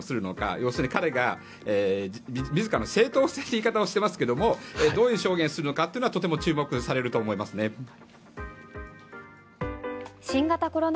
要するに彼が自らの正当性という言い方をしていますがどういう証言をするのかっていうのはとても注目されると思います。